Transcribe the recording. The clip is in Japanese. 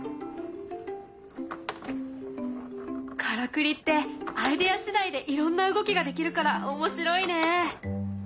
からくりってアイデア次第でいろんな動きができるから面白いね。